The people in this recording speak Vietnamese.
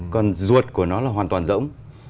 còn ruột của nó là hoàn toàn rỗng